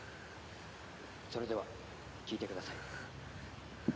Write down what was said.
それでは聴いてください